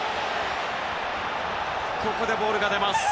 ここでボールが出ました。